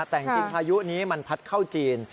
แต่จริงพายุนี้มันพัดเข้าจีน